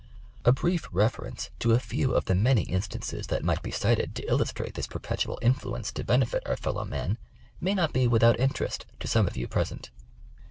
A brief reference to a few of the many instances that might be cited to illustrate this per petual influence to benefit our fellow men, may not be without interest to some of you present.